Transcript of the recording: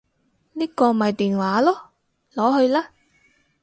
呢個咪電話囉，攞去啦